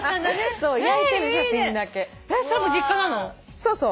そうそう。